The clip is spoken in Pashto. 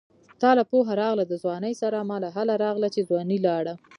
تاله پوهه راغله د ځوانۍ سره ماله هله راغله چې ځواني لاړه